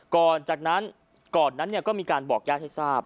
ก่อนจากนั้นก่อนนั้นก็มีการบอกญาติให้ทราบ